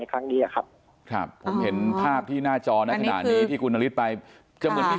ในครั้งทีครับผมเห็นภาพที่หน้าจอคิมไปคือกูสมุดเล่มนึง